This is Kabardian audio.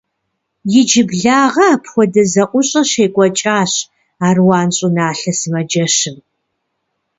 Иджыблагъэ апхуэдэ зэӀущӀэ щекӀуэкӀащ Аруан щӀыналъэ сымаджэщым.